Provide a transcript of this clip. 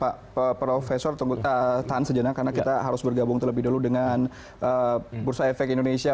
pak profesor tahan sejenak karena kita harus bergabung terlebih dulu dengan bursa efek indonesia